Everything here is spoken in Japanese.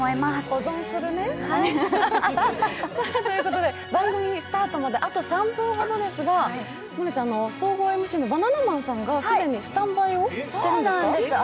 保存するね。ということで番組のスタートまであと３分ほどですが、総合ＭＣのバナナマンさんが既にスタンバイをしているんですか？